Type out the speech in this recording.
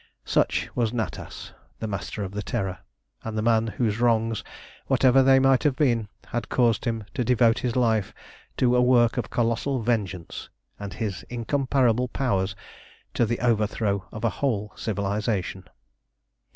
Such was Natas, the Master of the Terror, and the man whose wrongs, whatever they might have been, had caused him to devote his life to a work of colossal vengeance, and his incomparable powers to the overthrow of a whole civilisation.